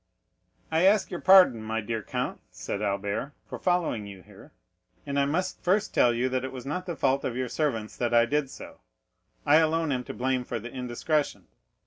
"I ask your pardon, my dear count," said Albert, "for following you here, and I must first tell you that it was not the fault of your servants that I did so; I alone am to blame for the indiscretion.